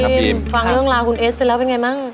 ฟังเรื่องราวคุณเอสไปแล้วเป็นไงมั้ง